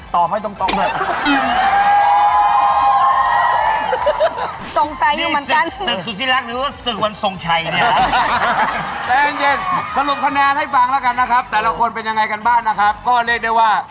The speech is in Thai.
แต่แปลกใจทำไมหายแต่ซ่อยรถมันไม่เอาไปวะ